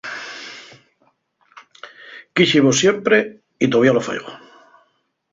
Quíxivos siempre y tovía lo faigo.